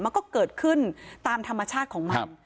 มันก็เกิดขึ้นตามธรรมชาติของมัน